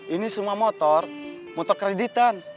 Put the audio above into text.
ini semua motor motor kreditan